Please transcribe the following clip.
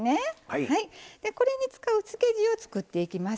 これに使う漬け地を作っていきます。